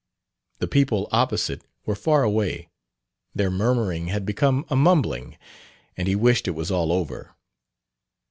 The people opposite were far away; their murmuring had become a mumbling, and he wished it was all over.